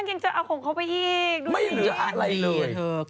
ตรงไหนบ้านหนูที่